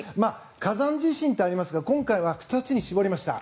火山地震ってありますが今回は２つに絞りました。